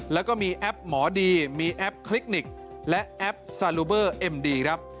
แล้วก็มีแอปหมอดีมีแอปคลิกนิกและแอปซาลูเบอร์เอ็มดีครับ